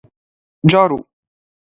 جارو